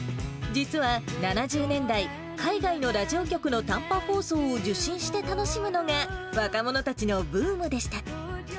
実は７０年代、海外のラジオ局の短波放送を受信して楽しむのが、若者たちのブームでした。